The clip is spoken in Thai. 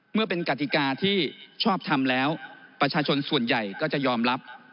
เมื่อเป็นกติกาที่ชอบทำแล้วประชาชนส่วนใหญ่ก็จะยอมรับ